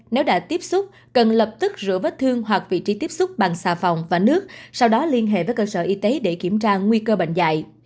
nếu đã tiếp xúc cần lập tức rửa vết thương hoặc vị trí tiếp xúc bằng xà phòng và nước sau đó liên hệ với cơ sở y tế để kiểm tra nguy cơ bệnh dạy